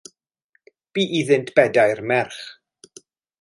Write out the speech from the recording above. Bu iddynt bedair merch.